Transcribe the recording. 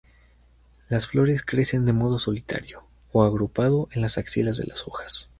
Las flores crecen de modo solitario o agrupado en las axilas de las hojas.